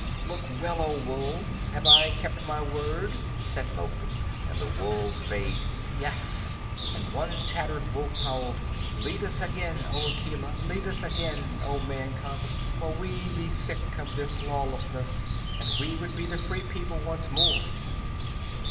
"Look well, O Wolves. Have I kept my word?" said Mowgli. And the wolves bayed "Yes," and one tattered wolf howled: "Lead us again, O Akela. Lead us again, O Man cub, for we be sick of this lawlessness, and we would be the Free People once more."